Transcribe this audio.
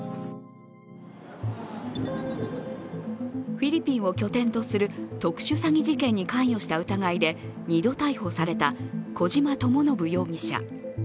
フィリピンを拠点とする特殊詐欺事件に関与した疑いで２度逮捕された小島智信容疑者。